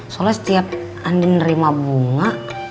soalnya setiap andri nerima bunga